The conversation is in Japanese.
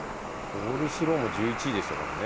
コールスローも１１位でしたからね。